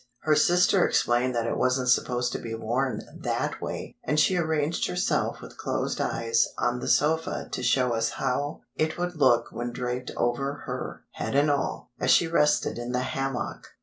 Her sister explained that it wasn't supposed to be worn that way; and she arranged herself with closed eyes on the sofa to show us how it would look when draped over her—head and all—as she rested in the hammock.